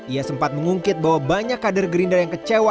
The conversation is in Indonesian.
ia sempat mengungkit bahwa banyak kader gerindra yang kecewa